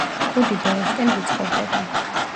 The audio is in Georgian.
კუდი ბოლოსკენ ვიწროვდება.